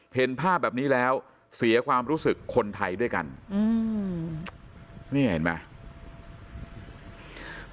เห็นภาพแบบนี้แล้วเสียความรู้สึกคนไทยด้วยกันอืมนี่เห็นไหม